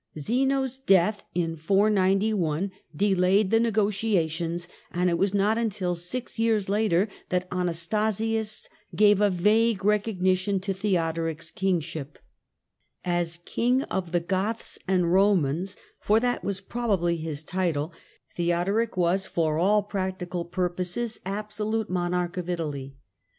Zeno's death in 491 delayed the negotiations, and it was not till six years later that Anastasius gave a vague recog nition to Theodoric's kingship. As king of the Goths and Romans (for that was probably his title) Theo 25 26 THE DAWN OF MEDIAEVAL EUROPE doric was, for all practical purposes, absolute monarch of Italy.